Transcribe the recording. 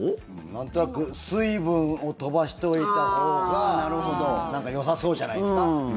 なんとなく水分を飛ばしておいたほうがなんかよさそうじゃないですか？